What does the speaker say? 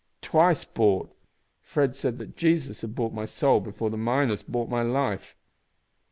Twice bought! Fred said that Jesus had bought my soul before the miners bought my life."